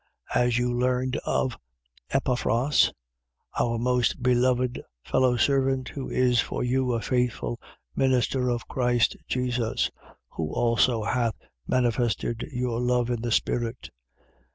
1:7. As you learned of Epaphras, our most beloved fellow servant, who is for you a faithful minister of Christ Jesus; 1:8. Who also hath manifested your love in the spirit.